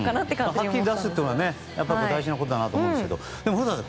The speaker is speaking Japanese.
はっきり出すというのは大事なことだと思うんですけどでも、古田さん